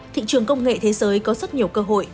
thị trường công nghệ thế giới có rất nhiều cơ hội